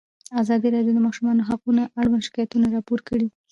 ازادي راډیو د د ماشومانو حقونه اړوند شکایتونه راپور کړي.